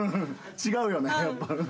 違うよね。